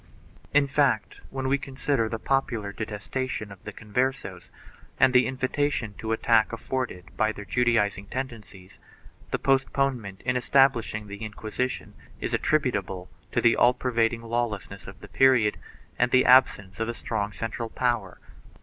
1 In fact, when we consider the popular detestation of the Converses and the invitation to attack afforded by their Judaizing tendencies, the postponement in establishing the Inquisition is attributable to the all pervading lawlessness of the period and the absence of a strong central power.